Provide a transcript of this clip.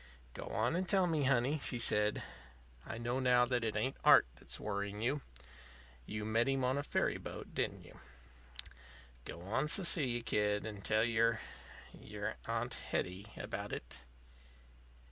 "Go on and tell me, honey," she said. "I know now that it ain't art that's worrying you. You met him on a ferry boat, didn't you? Go on, Cecilia, kid, and tell your your Aunt Hetty about it."